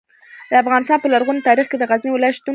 د افغانستان په لرغوني تاریخ کې د غزني ولایت شتون لري.